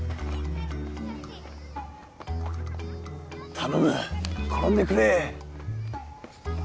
頼む転んでくれ！